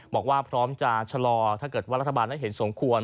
บอกว่าพร้อมจะชะลอถ้าเกิดว่ารัฐบาลนั้นเห็นสมควร